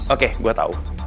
oke gue tau